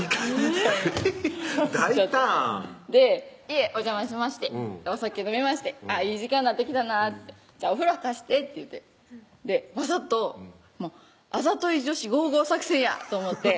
家お邪魔しましてお酒飲みまして「いい時間なってきたなじゃあお風呂貸して」って言ってわざとあざとい女子ＧＯＧＯ作戦やと思ってＧＯＧＯ！